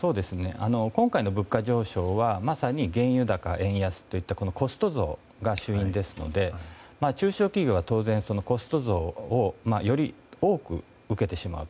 今回の物価上昇はまさに原油高円安といったコスト増が主因ですので中小企業は当然、コスト増をより多く受けてしまうと。